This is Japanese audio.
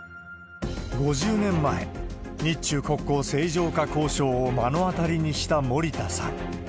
５０年前、日中国交正常化交渉を目の当たりにした森田さん。